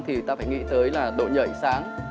thì ta phải nghĩ tới là độ nhảy sáng